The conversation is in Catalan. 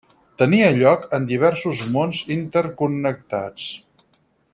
Tenia lloc en diversos mons interconnectats.